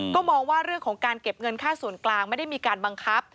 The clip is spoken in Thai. ก็มองว่าเรื่องของการเก็บเงินค่าส่วนกลางไม่ได้มีการบังคับ